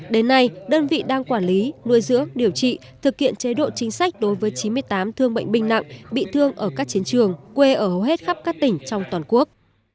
đến nay đơn vị đang quản lý nuôi dưỡng điều trị thực hiện chế độ chính sách đối với chín mươi tám thương bệnh binh nặng bị thương ở các chiến trường quê ở hầu hết khắp các tỉnh trong toàn quốc